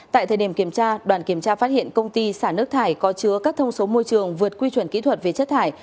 tại thời điểm kiểm tra đoàn kiểm tra phát hiện công ty xả nước thải có chứa các thông số môi trường vượt quy chuẩn kỹ thuật về chất thải